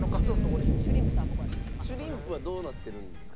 シュリンプはどうなってるんですか？